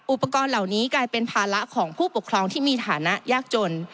อุปกรณ์เหล่านี้กลายเป็นภาระของผู้ปกครองที่มีฐานะยากจน